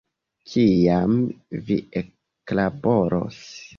Kiam vi eklaboros?